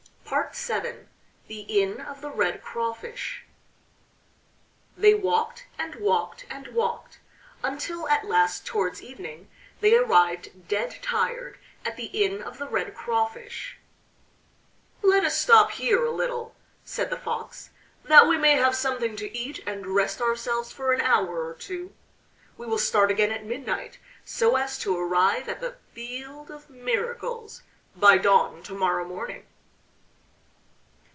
VII THE INN OF THE RED CRAWFISH They walked, and walked, and walked, until at last, towards evening, they arrived dead tired at the Inn of The Red Crawfish. "Let us stop here, a little," said the Fox, "that we may have something to eat and rest ourselves for an hour or two. We will start again at midnight, so as to arrive at the Field of Miracles by dawn to morrow morning."